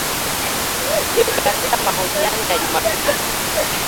Katika mahojiano ya Jumapili